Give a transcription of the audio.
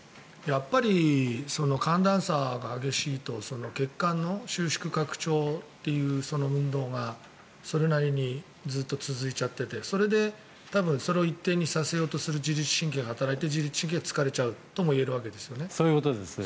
やっぱり寒暖差が激しいと血管の収縮・拡張という運動がそれなりにずっと続いちゃっててそれで多分それを一定にさせようとする自律神経が働いて自律神経が疲れちゃうともいえるわけですよね。